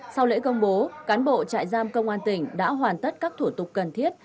sau lễ công bố cán bộ trại giam công an tỉnh đã hoàn tất các thủ tục cần thiết